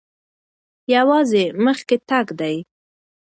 یوازې مخکې تګ دی.